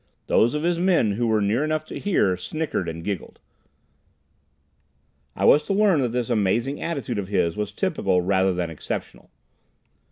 Those of his men who were near enough to hear, snickered and giggled. I was to learn that this amazing attitude of his was typical rather than exceptional.